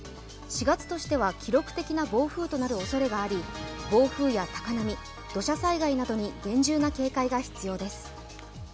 ４月としては記録的な暴風となるおそれがあり暴風や高波、土砂災害などに厳重な警戒が必要です。